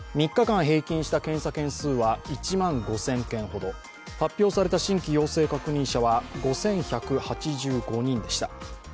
３日間平均した検査件数は１万５０００件ほど発表された新規陽性確認者は５１８５人でした。